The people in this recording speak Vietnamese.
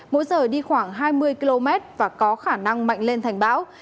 mỗi giờ đi khoảng hai mươi km và có khả năng mạnh lên thành bão